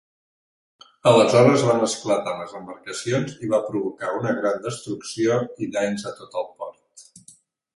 Aleshores van esclatar les embarcacions i va provocar una gran destrucció i danys a tot el port.